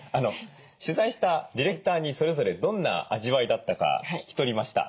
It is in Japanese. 取材したディレクターにそれぞれどんな味わいだったか聞き取りました。